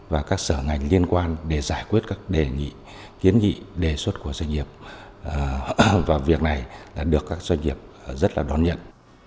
và các sở ngành liên quan để giải quyết các đề nghị kiến nghị đề xuất của doanh nghiệp vào việc này là được các doanh nghiệp rất là đón nhận